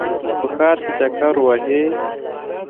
چې په ښار کې چکر وهې.